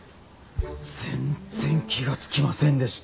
全然気がつきませんでした。